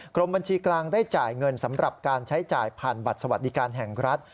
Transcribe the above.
กรมบัญชีกลางได้จ่ายเงินสำหรับการใช้จ่ายผ่านบัตรสวัสดิการแห่งรัฐ